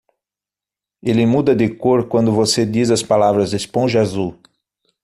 Ele muda de cor quando você diz as palavras "esponja azul".